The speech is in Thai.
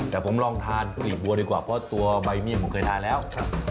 แต่ผมลองทานกุหรี่บัวดีกว่าเพราะตัวใบเมี่ยงผมเคยทานแล้ว